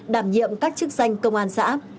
đảm nhiệm các chức danh công an xã